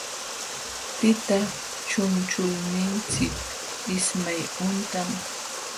Tita chunchulninchik ismay huntam.